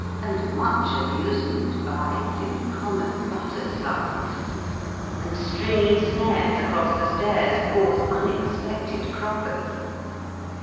And much amusement bides In common butter slides; And stringy snares across the stairs cause unexpected croppers.